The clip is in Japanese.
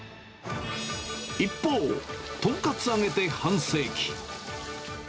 一方、豚カツ揚げて半世紀。